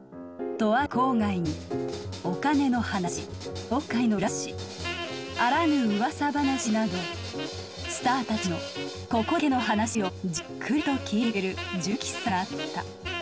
とある郊外にお金の話業界の裏話あらぬ噂話などスターたちのここだけの話をじっくりと聞いてくれる純喫茶があった。